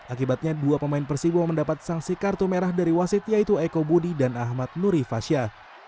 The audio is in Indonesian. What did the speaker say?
akibatnya dua pemain persibo mendapat sanksi kartu merah dari wasit yaitu eko budi dan ahmad nuri fasya